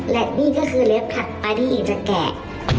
และนี่ก็คือเล็บถัดปลาที่จะแกะ